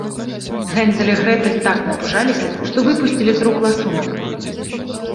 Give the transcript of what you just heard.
Гензель і Грэтэль так напужаліся, што выпусцілі з рук ласунак